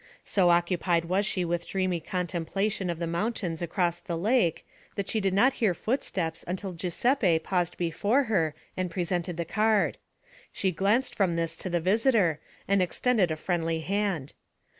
So occupied was she with a dreamy contemplation of the mountains across the lake that she did not hear footsteps until Giuseppe paused before her and presented the card. She glanced from this to the visitor, and extended a friendly hand.